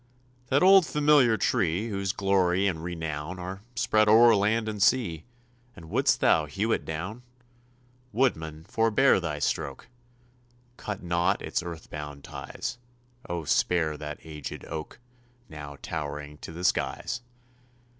That old familiar tree, Whose glory and renown Are spread o'er land and sea And wouldst thou hew it down? Woodman, forebear thy stroke! Cut not its earth bound ties; Oh, spare that aged oak, Now towering to the skies!